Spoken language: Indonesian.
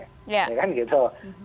ya kan gitu